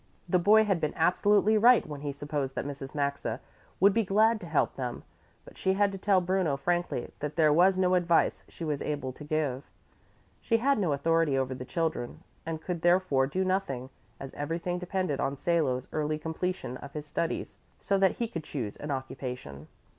The boy had been absolutely right when he supposed that Mrs. Maxa would be glad to help them, but she had to tell Bruno frankly that there was no advice she was able to give. She had no authority over the children and could therefore do nothing, as everything depended on Salo's early completion of his studies so that he could choose an occupation.